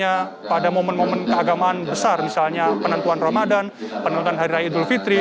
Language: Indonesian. jadi ini adalah teman teman keagamaan besar misalnya penentuan ramadan penentuan hari raya idul fitri